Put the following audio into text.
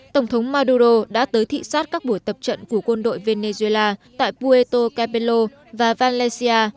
tổng thống maduro đã tới thị xát các buổi tập trận của quân đội venezuela tại puerto cabello và valencia